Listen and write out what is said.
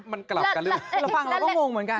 มันกลับกันแล้วเราฟังเราก็งงเหมือนกัน